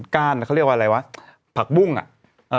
ก้านเขาเรียกว่าอะไรวะผักบุ้งอ่ะเอ่อ